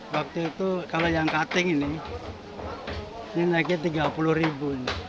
waktu itu kalau yang cutting ini ini naiknya rp tiga puluh ribu